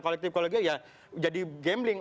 kolektif kolegial ya jadi gambling